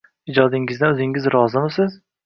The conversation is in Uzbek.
– Ijodingizdan o‘zingiz rozimisiz?